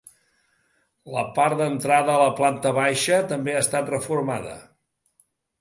La part d'entrada, a la planta baixa, també ha estat reformada.